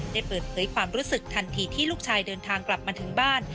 ได้เปิดเผยความรู้สึกทันทีที่ลูกชายเดินทางกลับมาถึงบ้าน